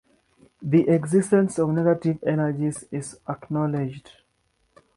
The existence of negative energies is acknowledged.